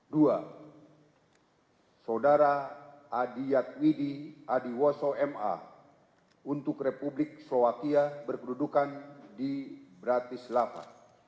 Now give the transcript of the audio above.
dua saudara adi yadwidi adiwoso ma untuk republik sulawakia berkedudukan di bratislava